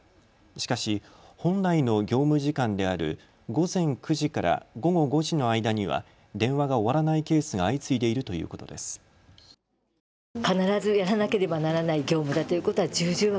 しかし本来の業務時間である午前９時から午後５時の間には電話が終わらないケースが相次いでいるということです。